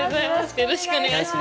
よろしくお願いします。